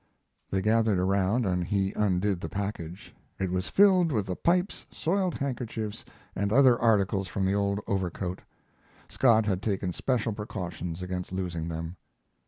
They gathered around and he undid the package. It was filled with the pipes, soiled handkerchiefs, and other articles from the old overcoat. Scott had taken special precautions against losing them.